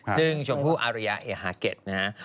ซึ่งชมผู้อาริยาเอฮาเก็ตนะครับ